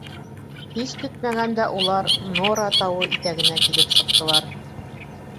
Һис көтмәгәндә улар Нора тауы итәгенә килеп сыҡтылар.